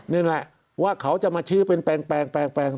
นี่แหละว่าเขาจะมาชี้เป็นแปลง